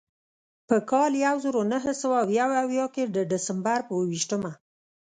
په کال یو زر نهه سوه یو اویا کې د ډسمبر پر اوه ویشتمه.